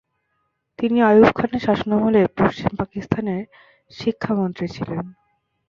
তিনি আইয়ুব খানের শাসনামলে পশ্চিম পাকিস্তানের শিক্ষা মন্ত্রী ছিলেন।